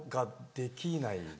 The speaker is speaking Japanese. できない。